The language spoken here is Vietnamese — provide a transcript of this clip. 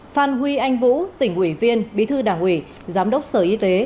phan huy anh vũ tỉnh ủy viên bí thư đảng ủy giám đốc sở y tế